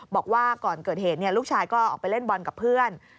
บอกว่าก่อนเกิดเหตุลูกชายก็ออกไปเล่นบอลกับเพื่อน